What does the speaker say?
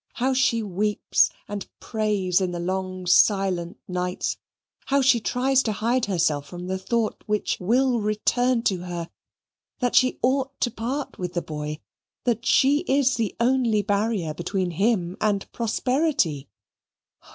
How she weeps and prays in the long silent nights how she tries to hide from herself the thought which will return to her, that she ought to part with the boy, that she is the only barrier between him and prosperity.